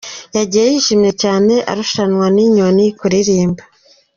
Yagiye yishimye cyane, arushanwa n'inyoni kuririmba.